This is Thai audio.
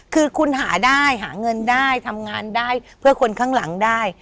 คือคุณหาได้หาเงินได้ทำงานได้เพื่อคนข้างหลังได้